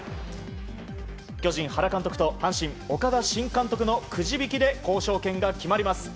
巨人、原監督と阪神、岡田新監督のくじ引きで交渉権が決まります。